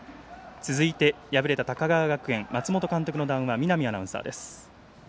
続いて敗れた高川学園松本監督の談話見浪アナウンサーです。